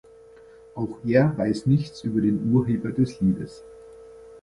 Auch er weiß nichts über den Urheber des Liedes.